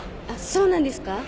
そうなんですか！？